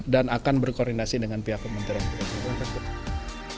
dan akan berkoordinasi dengan pihak pemerintah